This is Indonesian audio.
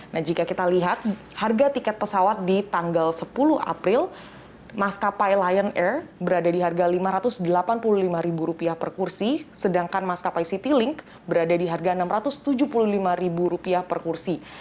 nah jika kita lihat harga tiket pesawat di tanggal sepuluh april maskapai lion air berada di harga rp lima ratus delapan puluh lima per kursi sedangkan maskapai citylink berada di harga rp enam ratus tujuh puluh lima per kursi